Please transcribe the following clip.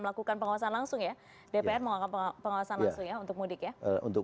melakukan pengawasan langsung ya dpr mau pengawasan langsung ya untuk mudik ya untuk